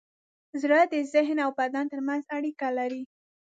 زړه د ذهن او بدن ترمنځ اړیکه لري.